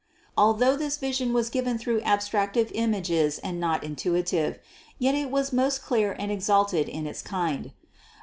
Although this vision was given through abstractive images and not intuitive, yet it was most clear and exalted in its kind.